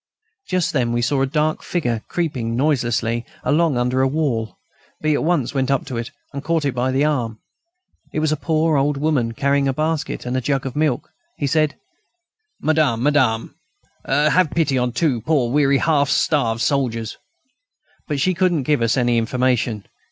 Just then, we saw a dark figure creeping noiselessly along under the wall. B. at once went up to it, and caught it by the arm. It was a poor old woman, carrying a basket and a jug of milk. Said he: "Madame, madame, have pity on two poor weary, half starved soldiers...." But she couldn't give us any information.